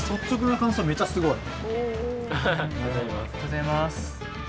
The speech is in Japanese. ありがとうございます。